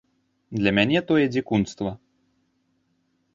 Для мяне тое дзікунства.